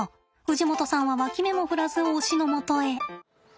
氏夲さんは脇目も振らず推しのもとへ。